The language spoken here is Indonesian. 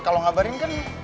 kalau ngabarin kan